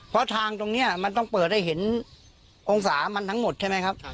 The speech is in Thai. เพราะทางตรงนี้มันต้องเปิดให้เห็นองศามันทั้งหมดใช่ไหมครับ